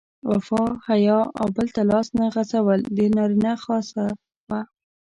وفا، حیا او بل ته لاس نه غځول د نارینه خاصه وه.